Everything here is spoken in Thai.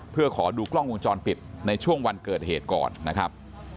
เพื่อขอดูกล้องวงจรปิดในช่วงวันเกิดเหตุก่อนนะครับ